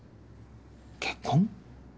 結婚？